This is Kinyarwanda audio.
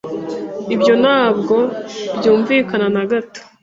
Ibyo ntabwo byumvikana na gato.